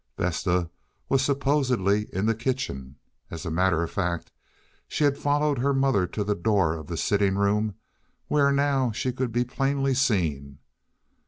Vesta was supposedly in the kitchen. As a matter of fact, she had followed her mother to the door of the sitting room, where now she could be plainly seen.